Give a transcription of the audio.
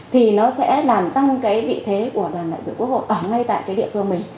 thì nó sẽ làm tăng cái vị thế của đoàn đại biểu quốc hội ở ngay tại cái địa phương mình